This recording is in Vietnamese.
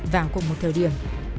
vào cùng một thời điểm